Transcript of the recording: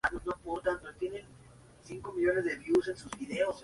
Ruta de las majadas y paraíso de los monteros.